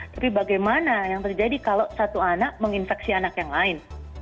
tapi bagaimana yang terjadi kalau satu anak menginfeksi anak yang lain